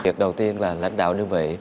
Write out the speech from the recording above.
việc đầu tiên là lãnh đạo đơn vị